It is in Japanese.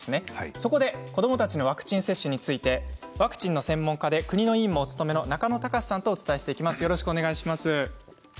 そこで子どもたちのワクチン接種についてワクチンの専門家で国の委員もお務めの中野貴司さんとともにお伝えしていきます。